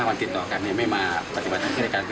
๒๐วันหรือเปล่า